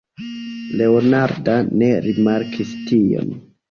Leonardo ne rimarkis tion.